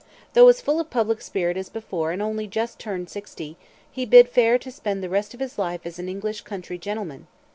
Though as full of public spirit as before and only just turned sixty, he bid fair to spend the rest of his life as an English country gentleman.